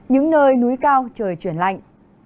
hơi núi cao trời chuyển lạnh